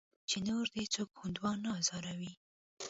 چې نور دې څوک هندوان نه ازاروي.